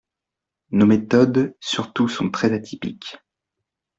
Nos méthodes surtout sont très atypiques.